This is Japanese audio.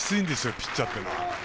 ピッチャーっていうのは。